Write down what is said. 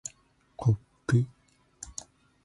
こっぷ